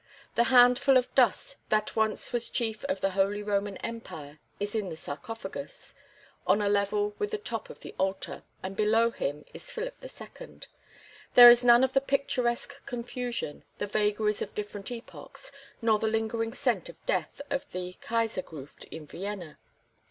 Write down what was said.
The handful of dust that once was chief of the Holy Roman Empire is in the sarcophagus on a level with the top of the altar, and below him is Philip II. There is none of the picturesque confusion, the vagaries of different epochs, nor the lingering scent of death of the Kaisergruft in Vienna.